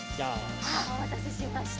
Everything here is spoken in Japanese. おまたせしました。